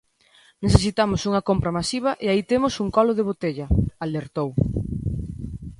"Necesitamos unha compra masiva e aí temos un colo de botella", alertou.